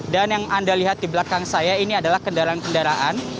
yang anda lihat di belakang saya ini adalah kendaraan kendaraan